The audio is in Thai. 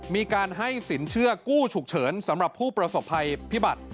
มีการให้สินเชื่อกู้ฉุกเฉินสำหรับผู้ประสบภัยพิบัติ